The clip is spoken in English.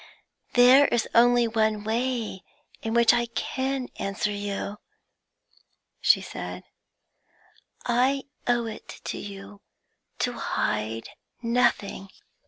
'There is only one way in which I can answer you,' she said; 'I owe it to you to hide nothing.